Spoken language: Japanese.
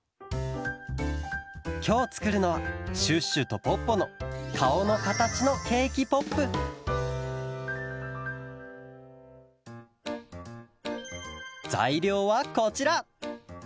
きょうつくるのはシュッシュとポッポのかおのかたちのケーキポップざいりょうはこちら！